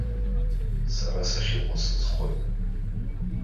Сара сахьыҟоу сызхоит.